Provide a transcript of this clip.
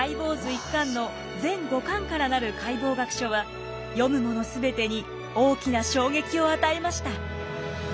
１巻の全５巻からなる解剖学書は読むもの全てに大きな衝撃を与えました。